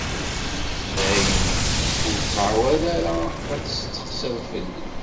Dayen, ur ttεawad ara ad d-testeqsiḍ fell-i.